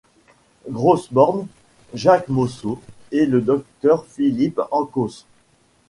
Grosborne, Jacques Mousseau et le Dr Philippe Encausse.